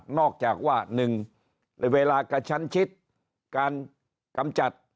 อกจากว่า๑เวลากระชั้นชิดการกำจัด